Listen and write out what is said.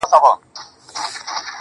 • گلي پر ملا باندي راماته نسې.